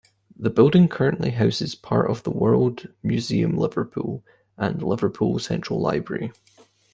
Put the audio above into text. The building currently houses part of the World Museum Liverpool and Liverpool Central Library.